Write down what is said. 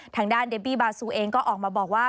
ทางด้านเดบี้บาซูเองก็ออกมาบอกว่า